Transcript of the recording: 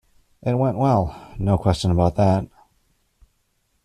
It went well; no question about that.